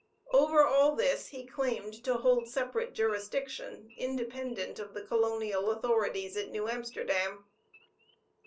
Over all this he claimed to hold separate jurisdiction independent of the colonial authorities at New Amsterdam.